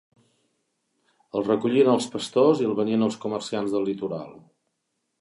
El recollien els pastors i el venien als comerciants del litoral.